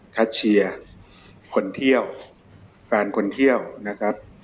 เชียร์คนเที่ยวแฟนคนเที่ยวนะครับ